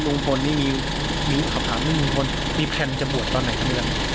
แล้วมุมฝนนี่มีอุทธิ์ขอบถามมุมฝนมีแพลนจะบวชตอนไหนครับ